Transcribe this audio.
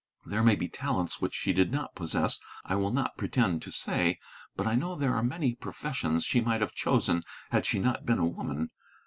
There may be talents which she did not possess; I will not pretend to say. But I know there are many professions she might have chosen had she not been a woman.